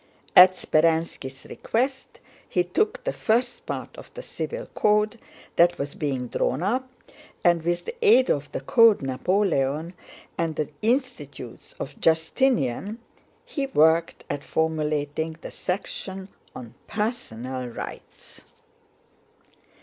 At Speránski's request he took the first part of the Civil Code that was being drawn up and, with the aid of the Code Napoléon and the Institutes of Justinian, he worked at formulating the section on Personal Rights.